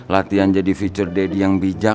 latihan jadi istri ayah yang bijak